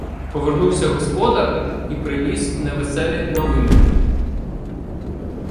Повернувся господар і приніс невеселі новини.